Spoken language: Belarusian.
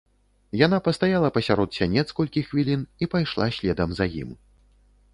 Яна пастаяла пасярод сянец колькі хвілін і пайшла следам за ім.